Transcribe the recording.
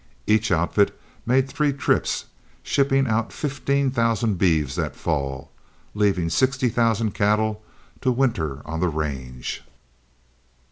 Each outfit made three trips, shipping out fifteen thousand beeves that fall, leaving sixty thousand cattle to winter on the range.